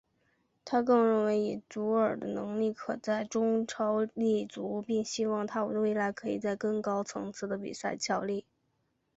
他更认为以祖尔的能力可在中超立足并希望他未来可以在更高层次的比赛效力。